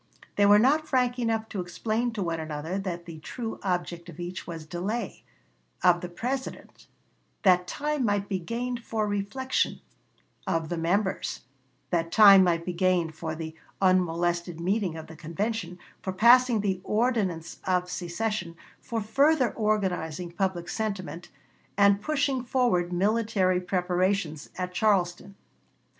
They were not frank enough to explain to one another that the true object of each was delay of the President, "that time might be gained for reflection"; of the Members, that time might be gained for the unmolested meeting of the convention, for passing the ordinance of secession, for further organizing public sentiment, and pushing forward military preparations at Charleston. Buchanan to Commissioners, Dec. 31, 1860. W.R. Vol. I., p. 117.